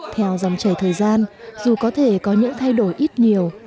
theo dòng chảy thời gian dù có thể có những thay đổi ít nhiều